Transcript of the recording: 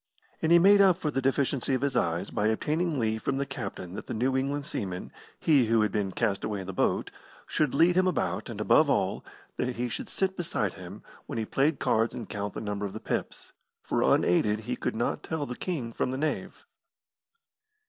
And he made up for the deficiency of his eyes by obtaining leave from the captain that the New England seaman he who had been cast away in the boat should lead him about, and, above all, that he should sit beside him when he played cards and count the number of the pips, for unaided he could not tell the king from the knave.